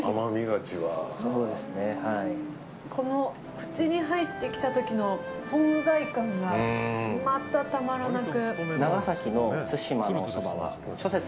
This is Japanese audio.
口に入ってきた時の存在感がまたたまらなく。